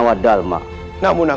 biasanya memang undang undang